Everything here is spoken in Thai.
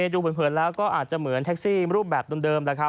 ดูเผินแล้วก็อาจจะเหมือนแท็กซี่รูปแบบเดิมแล้วครับ